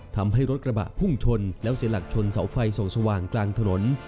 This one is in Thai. ทำให้รถกระบะพุ่งชนแล้วเสียหลักชนเสาไฟส่องสว่างกลางถนน